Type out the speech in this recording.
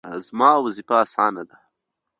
زما وظیفه اسانه ده